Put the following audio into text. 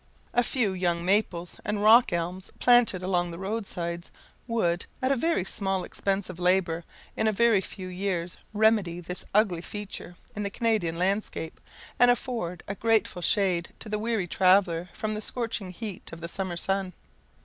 A few young maples and rock elms, planted along the roadsides, would, at a very small expense of labour, in a very few years remedy this ugly feature in the Canadian landscape, and afford a grateful shade to the weary traveller from the scorching heat of the summer sun.